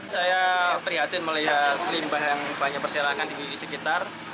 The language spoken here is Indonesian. saya prihatin melihat limbah yang banyak berserakan di sekitar